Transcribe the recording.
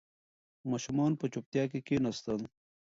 ماشومان په چوپتیا کې کښېناستل.